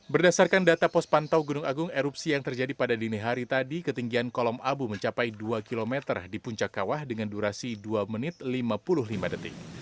berdasarkan data pos pantau gunung agung erupsi yang terjadi pada dini hari tadi ketinggian kolom abu mencapai dua km di puncak kawah dengan durasi dua menit lima puluh lima detik